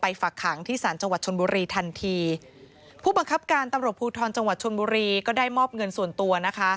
อย่างเก่งในตัวเดียว